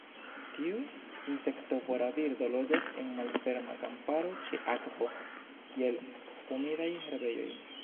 Tiu insektovora birdo loĝas en malferma kamparo ĉe akvo, kiel humidaj herbejoj.